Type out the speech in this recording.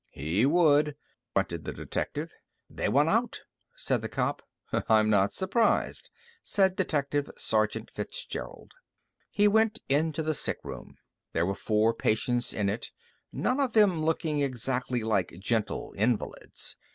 "He would," grunted the detective. "They want out," said the cop. "I'm not surprised," said Detective Sergeant Fitzgerald. He went into the sick room. There were four patients in it, none of them looking exactly like gentle invalids.